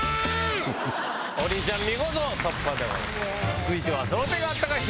続いては。